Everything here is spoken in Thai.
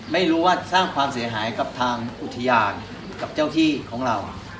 ไม่รู้ว่าสร้างความเสียหายกับทางอุทยานกับเจ้าที่ของเรา